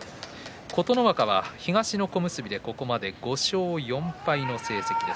琴ノ若は東の小結でここまで５勝４敗。